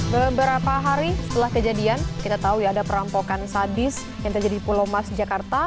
beberapa hari setelah kejadian kita tahu ya ada perampokan sadis yang terjadi di pulau mas jakarta